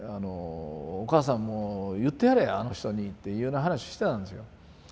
「お母さんも言ってやれあの人に」っていうような話してたんですよ。